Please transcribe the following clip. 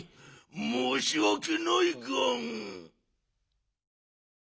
もうしわけないガン。